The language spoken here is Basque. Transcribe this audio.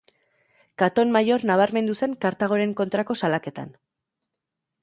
Katon Maior nabarmendu zen Kartagoren kontrako salaketan.